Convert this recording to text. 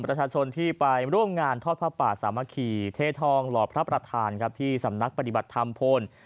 เพราะชนที่ไปร่วมงานข้อภาพประสามัคคีเทศทองหล่อพระประทานที่สำนักปฏิบัติธรรมพล